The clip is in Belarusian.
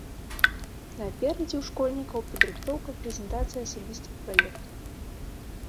Наперадзе ў школьнікаў падрыхтоўка прэзентацыі асабістых праектаў.